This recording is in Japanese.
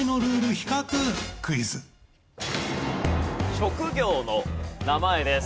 職業の名前です。